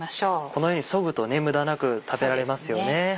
このようにそぐと無駄なく食べられますよね。